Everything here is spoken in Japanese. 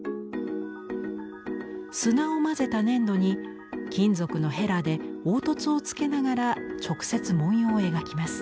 砂を混ぜた粘土に金属のヘラで凹凸をつけながら直接文様を描きます。